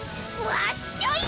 わっしょい